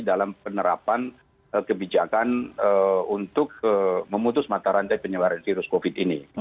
dalam penerapan kebijakan untuk memutus mata rantai penyebaran virus covid ini